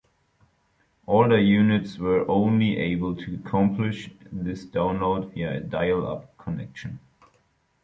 Older units were only able to accomplish this download via a dial-up connection.